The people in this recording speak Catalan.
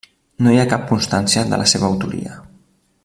No hi ha cap constància de la seva autoria.